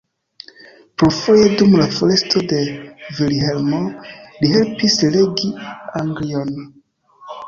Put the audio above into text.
Plurfoje dum la foresto de Vilhelmo li helpis regi Anglion.